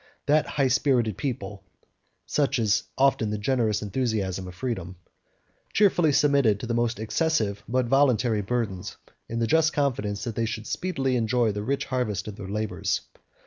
That high spirited people (such is often the generous enthusiasm of freedom) cheerfully submitted to the most excessive but voluntary burdens, in the just confidence that they should speedily enjoy the rich harvest of their labors.